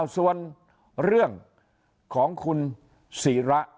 ส่วนเรื่องของคุณศิระ